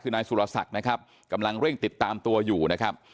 คือนายสุรศักดิ์นะครับกำลังเร่งติดตามตัวอยู่นะครับ